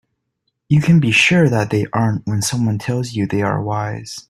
You can be sure that they aren't when someone tells you they are wise.